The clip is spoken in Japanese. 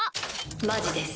マジです。